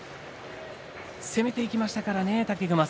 攻めていきましたからね。